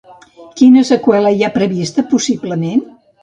Quina seqüela hi ha prevista, possiblement?